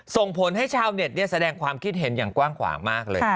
ส่งผลให้ชาวเน็ตแสดงความคิดเห็นอย่างกว้างขวางมากเลย